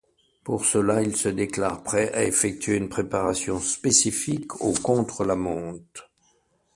Pour cela, il se déclare prêt à effectuer une préparation spécifique au contre-la-montre.